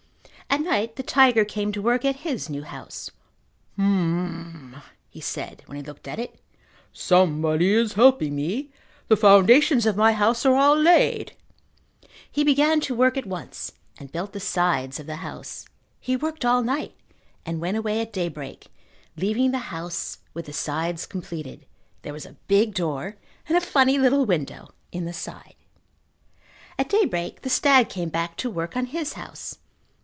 At night the tiger came to work at his new house. "H'm," he said when he looked at it. "Somebody is helping me. The foundations of my house are all laid." He began to work at once and built the sides of the house. He worked all night and went away at daybreak, leaving the house with the sides completed. There was a big door and a funny little window in the side. At daybreak the stag came back to work on his house.